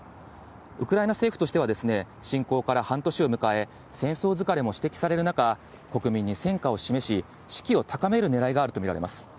ウクライナ政府としては、侵攻から半年を迎え、戦争疲れも指摘される中、国民に戦果を示し、士気を高めるねらいがあると見られます。